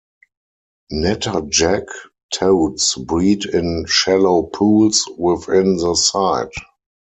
Natterjack toads breed in shallow pools within the site.